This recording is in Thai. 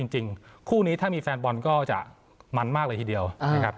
จริงคู่นี้ถ้ามีแฟนบอลก็จะมันมากเลยทีเดียวนะครับ